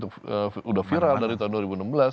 sudah viral dari tahun dua ribu enam belas